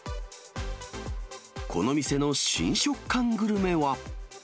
この店の新食感グルメは。